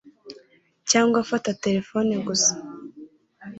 cyangwa fata terefone gusa